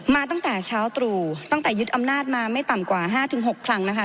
มาตั้งแต่เช้าตรู่ตั้งแต่ยึดอำนาจมาไม่ต่ำกว่า๕๖ครั้งนะคะ